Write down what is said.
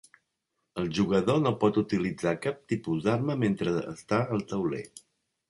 El jugador no pot utilitzar cap tipus d'arma mentre està al tauler.